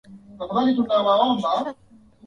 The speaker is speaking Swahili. Kula kwa maharagwe ukitaka.